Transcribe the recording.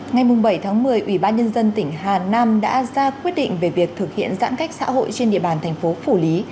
ngay mùng bảy tháng một mươi ubnd tỉnh hà nam đã ra quyết định về việc thực hiện giãn cách xã hội trên địa bàn thành phố phủ lý